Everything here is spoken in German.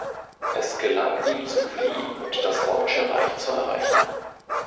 Es gelang ihm zu fliehen und das Deutsche Reich zu erreichen.